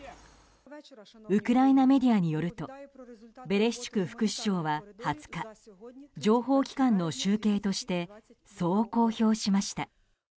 ウクライナメディアによるとベレシュチュク副首相は２０日情報機関の集計としてそう公表しました。